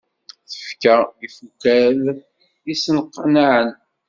Tefka ifukal yesseqnaɛen.